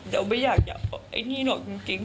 เราไม่อยากจริงอย่างจริง